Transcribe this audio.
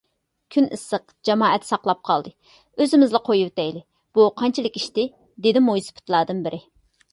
كۈن ئىسسىق، جامائەت ساقلاپ قالدى، ئۆزىمىزلا قويۇۋېتەيلى، بۇ قانچىلىك ئىشتى؟ _ دېدى مويسىپىتلاردىن بىرى.